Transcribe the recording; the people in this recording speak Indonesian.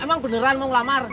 emang beneran mau ngelamar